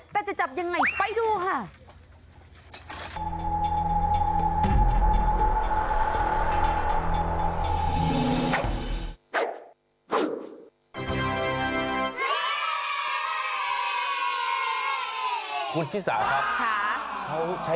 แต่จะจับยังไงไปดูค่ะ